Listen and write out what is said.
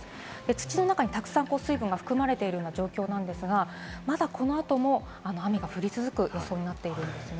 土の中にたくさん水分が含まれているような状況なんですが、まだこの後も雨が降り続く予想になっているんですね。